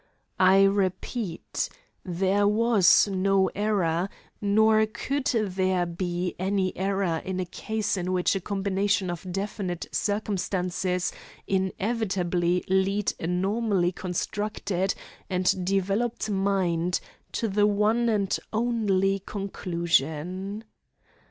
I repeat, there was no error, nor could there be any error in a case in which a combination of definite circumstances inevitably lead a normally constructed and developed mind to the one and only conclusion.